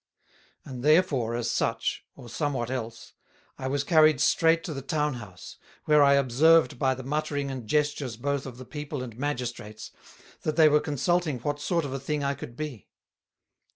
And therefore as such, or somewhat else, I was carried streight to the Town House, where I observed by the muttering and gestures both of the People and Magistrates, that they were consulting what sort of a thing I could be.